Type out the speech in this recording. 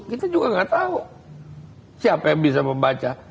kita juga nggak tahu siapa yang bisa membaca